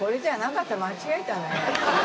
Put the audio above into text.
間違えたねぇ。